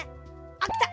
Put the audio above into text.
あっきた！